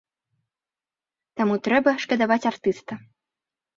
Таму трэба шкадаваць артыста.